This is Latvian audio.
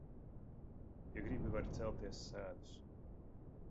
Ja gribi, vari celties sēdus.